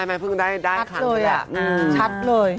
ไม่เพิ่งได้ครั้งเท่าไหร่อืมอืมชัดเลย